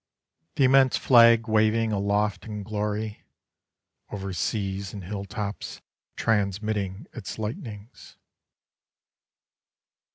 The immense flag waving Aloft in glory: Over seas and hilltops Transmitting its lightnings.